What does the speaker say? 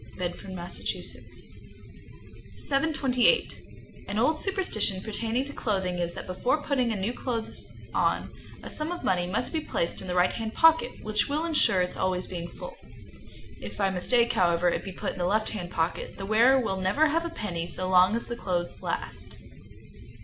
Bedford, Mass. 728. An old superstition pertaining to clothing is, that before putting on new clothes a sum of money must be placed in the right hand pocket, which will insure its always being full. If by mistake, however, it be put in the left hand pocket, the wearer will never have a penny so long as the clothes last.